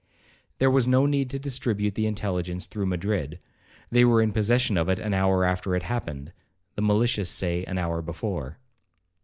There was no need to distribute the intelligence through Madrid,—they were in possession of it an hour after it happened,—the malicious say an hour before.